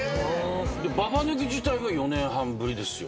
ババ抜き自体も４年半ぶりですよ。